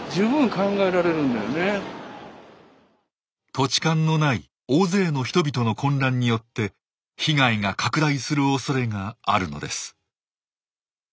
土地勘のない大勢の人々の混乱によって被害が拡大するおそれがあるのです。